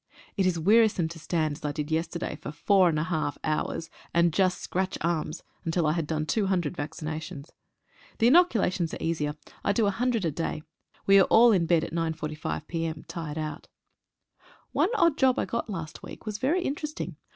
It is wearisome to stand, as I did yes terday, for four and a half hours, and just scratch arms until I had done 200 vaccinations. The inoculations are easier, and I do 100 a day. We are all in bed at 9.45 p.m., tired out. One odd job I got last week was very interesting.